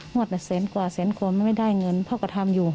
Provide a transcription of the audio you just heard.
มันแต่๑เซนติกว่า๑เซนติคนแล้วไม่ได้เงินพ่อก็ทำอยู่